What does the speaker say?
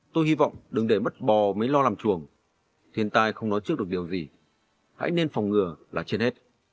tôi hy vọng đừng để mất bò mấy lo làm chuồng thiền tài không nói trước được điều gì hãy nên phòng ngừa là trên hết